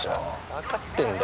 わかってんだよ